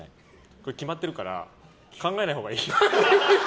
これ、決まってるから考えないほうがいい。